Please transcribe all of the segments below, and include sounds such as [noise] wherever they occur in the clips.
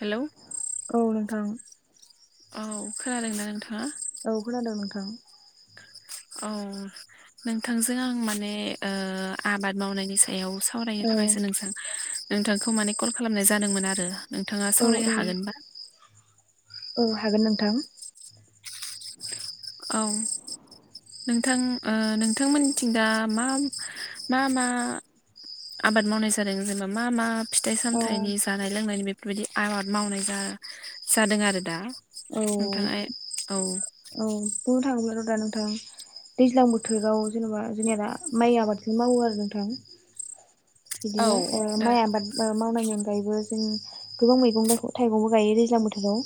Hello औ नोंथां औ खोनादोंना नोंथाङा औ खोनादों नोंथां। औ नोंथांजों आं माने ओ आबाद मावनायनि सायाव सावरायनो औ थाखायसो नोंसां नोंथांखौ माने कल खालामनाय जादोंमोन आरो। नोंथाङा औ सावरायनो औ हागोनबा औ हागोन नोंथां। औ नोंथां ओ नोंथांमोननिथिं दा मा मा मा आबाद मावनाय जादों जेनेबा मा मा फिथाइ औ सामथायाइनि जानाय लोंनायनि बे बेबायदि आबाद मावनाय जा जादों आरो दा औ नोंथाङा औ औ बुंनो थांङोब्ला दा नोंथां दैज्लां बोथोराव जेनेबा जेनेबा माइ आबादखौ मावो आरो नोंथां। बिदिनो ओ दा माइ आबाद ओ मावनायनि अनगायैबो जों गोबां मैगं थायग थाइगंबो गायो दैज्लां बोथोराव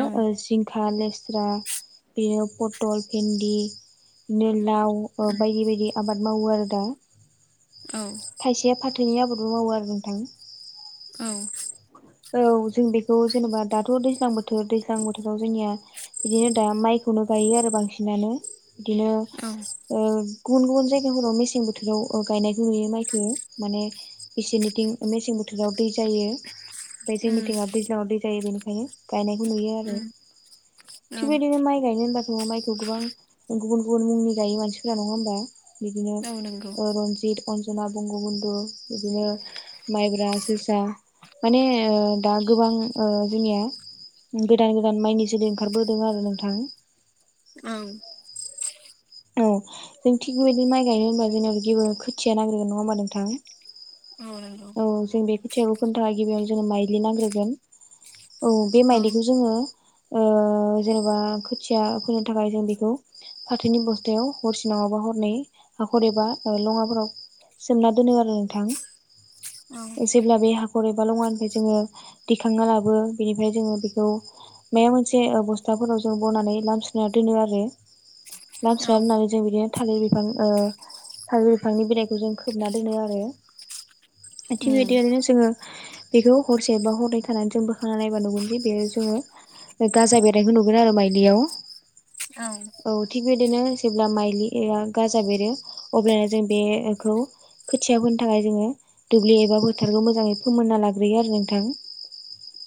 औ ओ जिं खा लेस्रा बेनो पथल भिन्दि बिनो लाव बायदि बायदि आबाद मावो आरो दा औ नि आबादबो मावो आरो नोंथां औ औ जों बेखौ जेनेबा दाथ' दैज्लां बोथोर दैज्लां बोथोराव जोंनिया बिदिनो दा माइखौनो गायो आरो बांसिनानो बिदिनो औ ओ गुबुन गुबुन जायगाफोराव मेसें बोथोराव ओ गायनायखौ नुयो माइखो माने बिसोरनिथिं मेसें बो जेराव दै जायो ओमफ्राय उम जोंनिथिंआ दैज्लाङाव दै जायो बेनिखायनो गायनायखौ नुयो आरो उम औ थिग बेबायदिनो माइ गायनो होनबा माइखौ गोबां गुबुन गुबुन मुंनि गायो मानसिफोरा नङा होमबा? बिदिनो औ नंगौ ओ रनजित अन जना बंग' बनदु बिदिनो माइब्रा जोसा माने ओ दा गोबां ओ जोंनिया गोदान गोदान माइनि जोलै ओंखारबोदों आरो नोंथां। उम औ जों थिग बेबायदि माइ गायनो होनबा जेनेबा गिबियाव खोथिया नांग्रोगोन नङा होमबा नोंथां? [inaudible] औ जों बे खोथियाखौ फोनो थाखाय गिबियावनो जोंनो माइज्लि नांग्रोगोन। औ बे माइलिखौ जोङो ओ जेनेबा खोथिया फोनो थाखाय जों बेखौ फाथैनि बस्थायाव हरसे नङाबा हरनै हाखर एबा लङाफोराव सोमना दोनो आरो औ नोंथां जेब्ला बे हाखर एब बा लङानिफ्राय जोङो दिखांना लाबो बेनिफ्राय जोङो बेखौ मायबा मोनसे बस्थाफोराव ज' बनानै लामस्रोना दोनो आरो औ लामस्रोना जों बिदिनो थालिर बिफां ओ थालिर बिफांनि बिलाइखौ जों खोबना दोनो आरो। थिग बेबादिनो जोङो बेखौ हरसेक्षबा हरनै खानानै जों बोखांना नायबा नुगोन जे बेयो जोङो गाजा बेरनायखौ नुगोन आरो माइलियाव। औ बेबायदिनो जेब्ला माइलिया गाजा बेरो अब्लानो जों बेखौ खोथिया फोनो थाखाय जोङो दुब्लि एबा फोथारखौ मोजाङै फोमोनना लाग्रोयो आरो नोंथां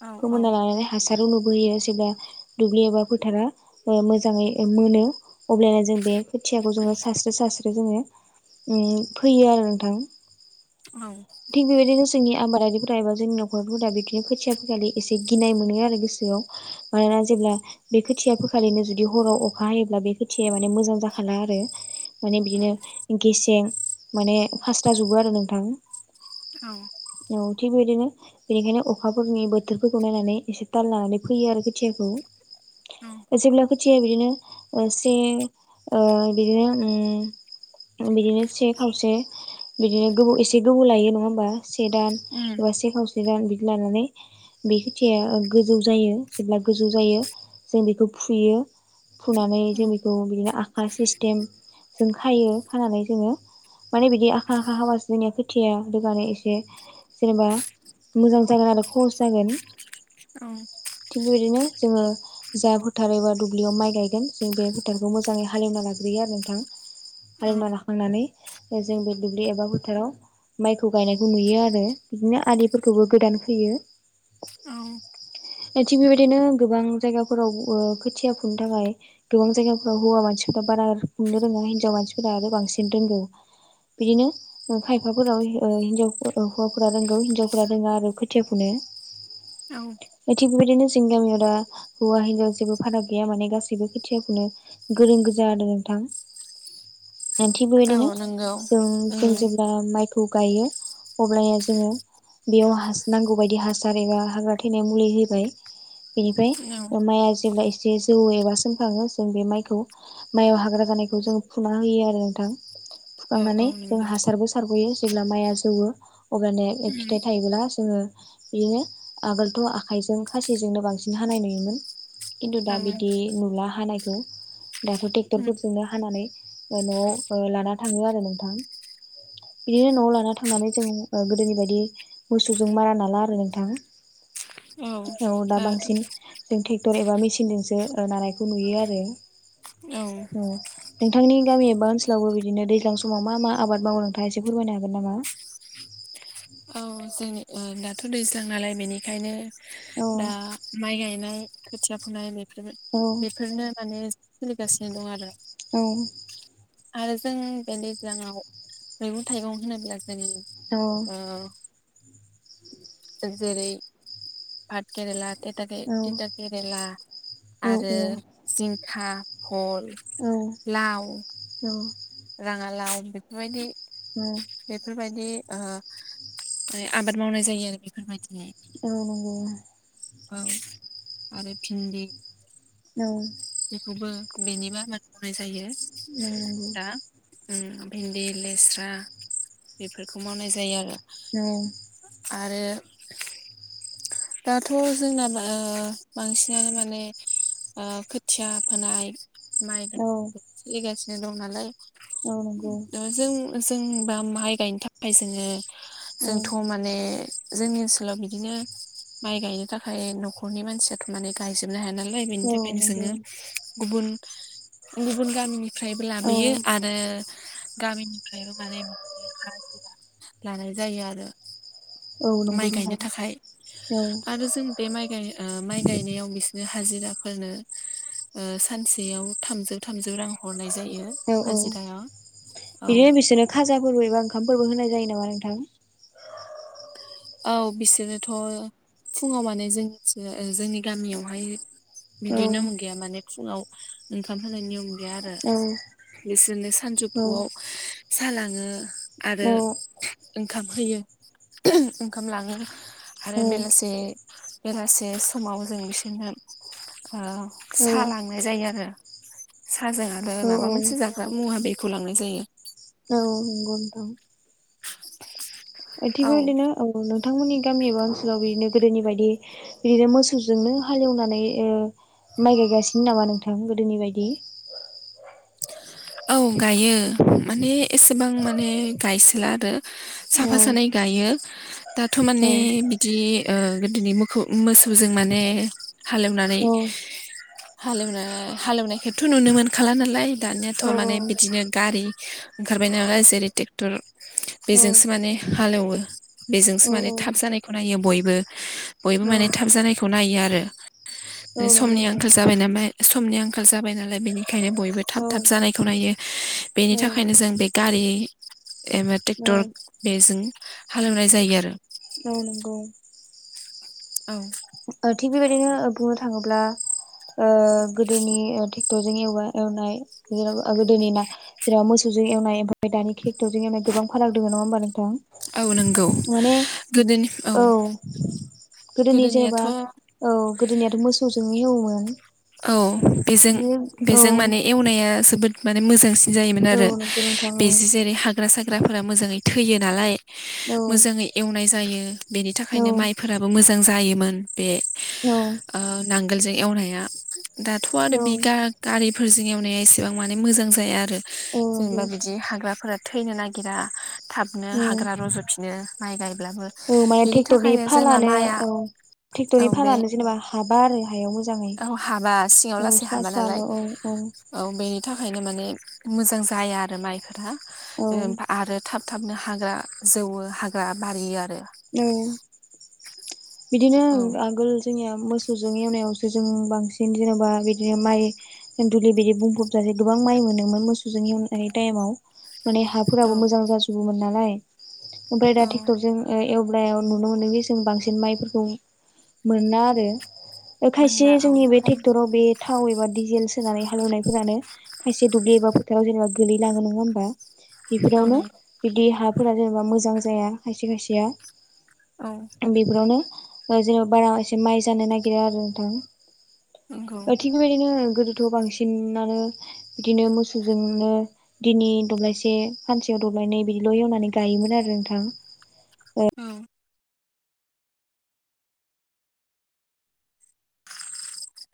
औ फोमोन्ना लानानै हासा [unintelligible] जेब्ला दुब्लि एबा फोथारा ओ मोजाङै ओ मोनो अब्लानो जों बे खोथियाखौ जोङो सास्रो सास्रो जोङो उम फोयो आरो नोंथां। औ थिग बेबायदिनो जोंनिया आबादारिफोरा एबा जोंनि न'खरफोरा बिदिनो खोथिया फैखालि एसे गिनाय मोनो आरो गोसोआव मानोना जे‌ ब्ला बे खोथिया फोखालिनो जुदि हराव अखा हायोब्ला बे खोथियाया माने मोजां जाखाला आरो माने बिदिनो गेसें माने फास्रा जोबो आरो नोंथां। औ औ थिग बेबायदिनो बेनिखायनो अखाफोरनि बोथोरफोरखौ नायनानै एसे ताल लानानै फोयो आरो खोथियाखौ‌ जेब्ला खोथि या फोयो बिदिनो ओ से ओ बिदिनो उम बिदिनो से खावसे बिदिनो गोबाव एसे से गोबाव लायो नङा होमबा से दान उम एबा से खावसे से दान बिदि लानानै बे खोथियाया गोजौ जायो जेब्ला गोजौ जायो जों बेखौ फुयो। फुनानै औ जों बेखौ बिदिनो आखा सिस्टेम जों खायो खानानै जोङो माने बिदि आखा आखा खाबासो जोंनिया खोथिया रोगानो एसे जेनेबा मोजां जागोन आरो सहस जागोन। औ थिग बेबायदिनो जोङो जा फोथार एबा दुब्लियाव माइ गायगोन जों बे फोथारखौ मोजाङै हालेवना लाग ग्रोयो आरो नोंथां औ हालेवना लाखांनानै जों बे दुब्लि एबा फोथाराव माइखौ गायनायखौ नुयो आरो बिदिनो आलिफोरखौबो गोदान खोयो। [inaudible] थिग बेबायदिनो गोबां जायगाफोराव ओ खोथिया फुनो थाखाय गोबां जायगाफोराव हौवा मानसिफोरा बारा फुनो रोङा हिजाव मानसिफोरा आरो बांसिन रोंगौ बिदिनो ओ खाय हौवाफोराव ओ हिनजाव ओ हौवाफोरा रोंगौ हिनजावफोरा रोङा आरो खोथिया फुनाया। औ‌। थिग बेबायदिनो जोंनि गामियाव दा हौवा हिनजाव जेबो फाराग गैया माने गासैबो खोथिया फुनो गोरों। गोजा आरो नोंथां। [inaudible] ओ थिग औ बेबायदिनो नंगौ जों जों उम जेब्ला माइखौ गायो अब्लाया जोङो बेयाव हास नांगौ बायदि हासार एबा हाग्रा थैनाय मुलि होबाय। इनिफ्राय औ माइआ जेब्ला एसे जौओ एबा सोमखाङो जों बे माइखौ माइआव हाग्रा जानायखौ जों फुना होयो आरो नोंथां औ औ फुखांनानै जों नंगौ हासारबो होयो जेब्ला माइया जौओ अब्लानिया उम फिथाइ थायोब्ला जोङो बिदिनो आगोलथ' आखाइजों खासिजोंनो बांसिन हानाय नुयोमोन खिन्थु औ दा बिदि नुला हानायखौ। दाथ' उम ट्रेक्टरफोरजोंनो हानानै ओ न'आव लाना थाङो आरो नोंथां। बिदिनो न'आव लाना थांनानै जों ओ गोदोनि बायदि मोसौजों मारा नाला आरो नोंथां। औ। औ दा दाथ' बांसिन जों ट्रेक्टर एबा मेसिनजोंसो ओ नानायखौ नुयो आरो। औ ओं नोंथांनि गामि एबा ओनसोलावबो बिदिनो दैज्लां समाव मा मा आबाद मावो? थाङा एसे फोरमायनो हागोन नामा? औ जोंनि ओ दाथ' दैज्लां नालाय बेनिखायनो औ दा माइ गायनाय खोथिया फुनाय औ बेफोरनो माने सोलिगासिनो दं आरो। औ। आरो जों बे दैज्लांआव मैगं थाइगं होनोब्ला औ [unintelligible] ओ जों जेरै भात केरेला औ तिटा केरेला औ आरो औ जिंखा भल औ नंगौ औ लाव औ राङालाव बेफोरबायदि औ। दि ओ आबाद मावनाय जायो आरो बेफोरबायदि। औ नंगौ। औ आरो भिन्दि औ। बेखौबो बेनिबो आबाद मावनाय जायो। औ। ओं भिन्दि लेस्रा बेफोरखौ मावनाय जायो आरो। औ। आरो दाथ' जोंना ओ बांसिनानो माने ओ खोथिया फोनाय माइ औ गायनायबो सोलिगासिनो दं नालाय औ नंगौ दा जों जों बा माइ गायनो थाखाय जोङो औ जोंथ' माने जोंनि ओनसोलाव बिदिनो माइ गायनो थाखाय न'खरनि मानसियाथ' माने गायजोबनो हाया। नालाय बेनि औ थाखायनो नंगौ जोङो गुबुन गुबुन गामनि फ्रायबो औ लाबोयो आरो गामिनिफ्रायबो माने [inaudible] हाजिरा लानाय जायो आरो। औ नंगौ माइ गायनो नोंथां थाखाय औ आरो जों बे माइ गाय ओ माइ गायनायाव बिसोरनो हाजिराफोरनो ओ सानसेयाव थामजौ थामजौ रां हरनाय जायो। औ औ हाजिरायाव औ बिदिनो बिसोरनो खाजाफोरबो एबा ओंखामफोरबो होनाय जायो नामा नोंथां? औ बिसोरोथ' फुङाव माने जों ओ जोंनि गामियावहाय औ बिदि नेम गैया माने फुङाव ओंखाम होनाय नियम गैया आरो औ बिसोरनो औ सानजौफुआव सा लाङो आरो औ ओंखाम होयो [unintelligible] ओंखाम लाङो । आरो बेलासे बेलासे समाव जों बिसोरनो ओ सा लांनाय जायो आरो साजों आरो माबा मोनसे औ जाग्रा मुवा बे खौ लांनाय जायो । औ नंगौ नोंथां । ओ थिग औ बे बायदिनो [unintelligible] नोंथांमोननि गामि एबा ओनसोलाव बिदिनो गोदोनि बायदि बिदिनो मोसौजोंनो हालेवनानै ओ माइ गायगासिनो नामा नोंथां गोदोनि बायदि? औ गायो माने एसेबां माने गायसोला आरो । साफा औ सानै गायो । दाथ' औ माने बिदि ओ गोदोनि मोखौ मोसौजों माने हालेवनानै हालेवना हालेवनायखौथ' नुनो मोनखाला नालाय दानिया थ' औ माने बिदिनो गारि ओंखारबाय नालाय जेरै ट्रेक्टर औ बेजोंसो माने हा लेवो ‌ बेजोंसो माने औ थाब जानायखौ नायो बयबो बयबो औ माने थाब जानायखौ नायो आरो औ । ओ नंगौ समनि नोंथां आंखाल जाबाय [unintelligible] समनि आंखाल जाबाय नालाय बेनिखायनो बयबो थाब थाब औ जानायखौ नायो बेनि औ थाखायनो जों बे गारि एबा औ ट्रेक्टर बेजों हालेवनाय जायो आरो । औ नंगौ । औ । ओ थिग बेबायदिनो बुंनो थाङोब्ला ओ गोदोनि ओ ट्रेक्टरजों एवबा एवनाय जेनेवा ओ गोदोनि ना जेनेबा मोसौ जों एवनाय ओमफ्राय दानि ट्रेक्टरजों एवनाय गोबां फाराग दङो नङा होनबा नोंथां? औ नंगौ माने औ । गोदोनि जेन'बा गोदोनियाथ' औ गोदोनियाथ' मोसौजोंनो एवोमोन । औ बेजों बेजों माने एवनाया जोबोद माने मोजांसिन जायोमोन आरो औ नंगौ नोंथां औ बेसो जेरै हाग्रा साग साग्राफोरा मोजाङै थैयो नालाय औ मोजाङै एवनाय जायो । बेनि औ थाखायनो माइफोराबो मोजां जायोमोन बे औ ओ नांगोलजों एवनाया दाथ' आरो बे गा गारिफोरजों एवनाया एसेबां माने मोजां जाया आरो । नंगौ जेनेबा बिदि हाग्राफोरा थैनो नागिरा । थाबनो औ हाग्रा रज'फिनो माइ गायब्लाबो औ माने बेनि ट्रेक्टरनि थाखायनो जोंना फालानो माइआ औ औ ट्रेक्टरनि बे फागानो जेनेबा हाबा आरो हायाव मोजाङै औ । हाबा सिङाव लासै हाबा नालाय औ बेनि थाखाय खायनो माने मोजां जाया आरो माइफोरा औ ओ आरो थाब थाबनो हाग्रा जौवो हाग्रा बारियो आरो‌ । औ बिदिनो औ आगोल जोंनिया मोसौजों एवनायावसो जोङो बांसिन जेन'बा बिदिनो माइ जों दुलि बिदि बुंफ'ब जासे गोबां माइ मोनोमोन मोसौजों [unintelligible] टाइम आाव माने औ हाफोराबो मोजां जाजोबोमोन नालाय ओमफ्राय दा औ ट्रेक्टरजों एवब्लायाव नुनो मोनो बे जों बांसिन माइफोरखौ मोना आरो। मोनला खायसे औ जोंनि बे खम ट्रेक्टराव बे थाव एबा डिजेल सोनानै हालेवनायफोरानो खायसे दुब्लि एबा फोथाराव जेनेबा गोलैलाङो नङा होमबा औ बेफोरावनो नंगौ बिदि हाब फोरा जेनेबा मोजां जाया खायसे खायसेया औ बेफोरावनो ओ जेनेबा बारा एसे माइ जानो नागिरा आरो नोंथां नंगौ ओ थिग बेबायदिनो गोदोथ' बांसिनानो बिदिनो मोसौजोंनो दिनै दब्लायसे सानसेयाव दब्लायनै बिदिल' एवनानै गायोमोन आरो नोंथां। औ ।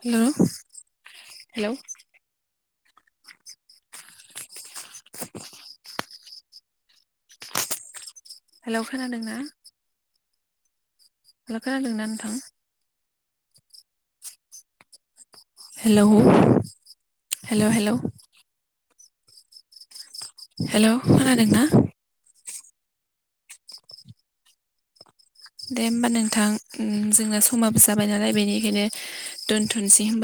हेल' हेलौ । हेलौ खोनादों ना? हेल' खोनादोंना नोंथां। हेल' हेल' हेल'। हेल' खोनादोंना? दे होमबा नोंथां जोंना समाबो जाबाय नालाय बेनिखायनो दोनथ'नोसै होमबा।